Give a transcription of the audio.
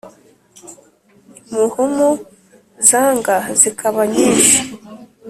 imhumu zanga zikaba nyinshi